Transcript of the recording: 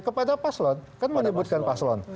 kepada paslon kan menyebutkan paslon